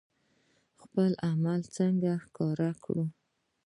خپل عمل څنګه ښکلی کړو؟